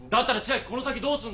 この先どうすんだよ！？